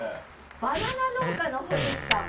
バナナ農家の堀内さん。